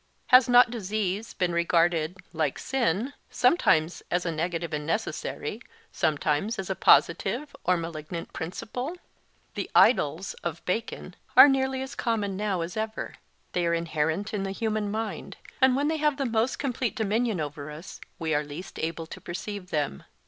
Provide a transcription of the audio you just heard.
Has not disease been regarded, like sin, sometimes as a negative and necessary, sometimes as a positive or malignant principle? The 'idols' of Bacon are nearly as common now as ever; they are inherent in the human mind, and when they have the most complete dominion over us, we are least able to perceive them.